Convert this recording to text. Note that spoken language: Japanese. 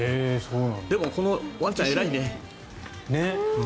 でも、このワンちゃん、偉いね。